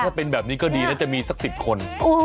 ถ้าเป็นแบบนี้ก็ดีนะจะมีสัก๑๐คน